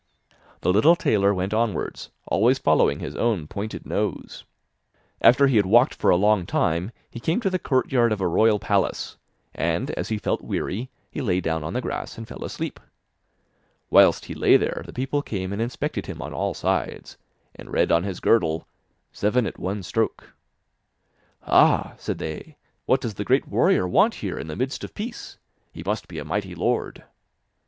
The little tailor went onwards, always following his own pointed nose. After he had walked for a long time, he came to the courtyard of a royal palace, and as he felt weary, he lay down on the grass and fell asleep. Whilst he lay there, the people came and inspected him on all sides, and read on his girdle: 'Seven at one stroke.' 'Ah!' said they, 'what does the great warrior want here in the midst of peace? He must be a mighty lord.